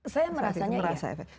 saya merasanya ya